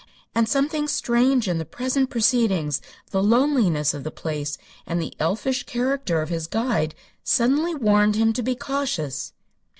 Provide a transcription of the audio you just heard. And something strange in the present proceedings, the loneliness of the place and the elfish character of his guide, suddenly warned him to be cautious.